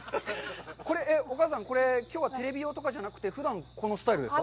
これ、お母さん、きょうはテレビ用とかじゃなくてふだん、このスタイルですか？